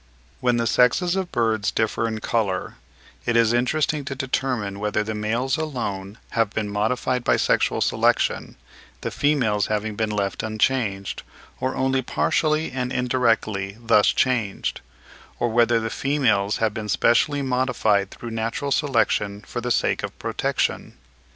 When the sexes of birds differ in colour, it is interesting to determine whether the males alone have been modified by sexual selection, the females having been left unchanged, or only partially and indirectly thus changed; or whether the females have been specially modified through natural selection for the sake of protection.